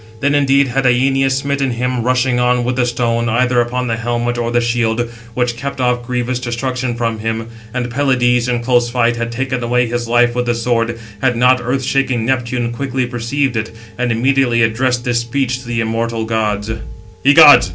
Then indeed had Æneas smitten him, rushing on, with the stone, either upon the helmet or the shield, which kept off grievous destruction from him; and Pelides, in close fight, had taken away his life with the sword, had not earth shaking Neptune quickly perceived it, and immediately addressed this speech to the immortal gods: Footnote 659: (return) See on ver.